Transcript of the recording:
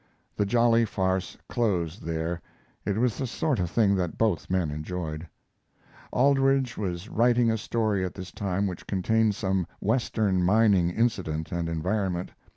The jolly farce closed there. It was the sort of thing that both men enjoyed. Aldrich was writing a story at this time which contained some Western mining incident and environment.